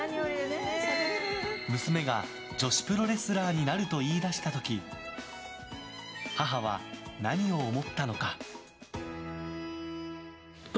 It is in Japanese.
娘が女子プロレスラーになると言い出した時母は何を思ったのか。